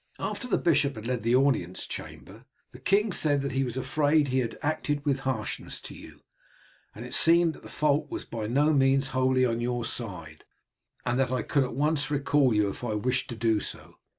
"After the bishop had left the audience chamber the king said that he was afraid he had acted with harshness to you, as it seemed that the fault was by no means wholly on your side, and that I could at once recall you if I wished to do so.